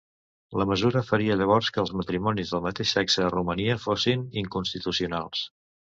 La mesura faria llavors que els matrimonis del mateix sexe a Romania fossin inconstitucionals.